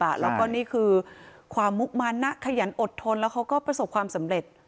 แล้วก็นี่คือความมุมันนะขยันอดทนแล้วเขาก็ประสบความสำเร็จ